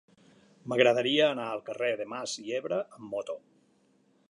M'agradaria anar al carrer de Mas Yebra amb moto.